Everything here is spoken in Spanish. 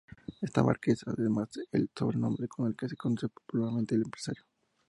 Esta marca es, además, el sobrenombre con el que se conoce popularmente al empresario.